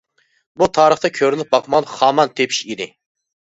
بۇ تارىختا كۆرۈلۈپ باقمىغان خامان تېپىش ئىدى.